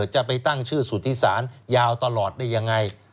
จะไปตั้งชื่อสุธิศาลยาวตลอดได้ยังไง